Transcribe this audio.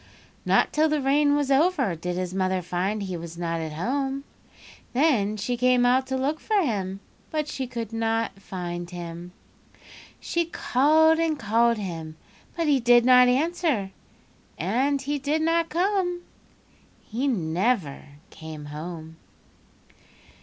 "Not till the rain was over did his mother find he was not at home. Then she came out to look for him, but she could not find him. She called and called him but he did not answer and he did not come. He never came home.